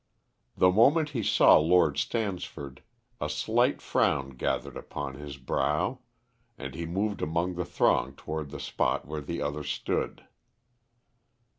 The moment he saw Lord Stansford a slight frown gathered upon his brow, and he moved among the throng toward the spot where the other stood.